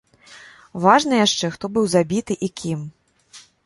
Важна яшчэ, хто быў забіты і кім.